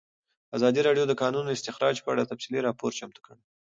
ازادي راډیو د د کانونو استخراج په اړه تفصیلي راپور چمتو کړی.